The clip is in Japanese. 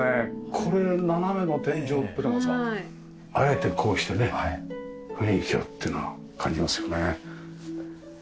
これ斜めの天井っていうのがさあえてこうしてね雰囲気をっていうのを感じますよね。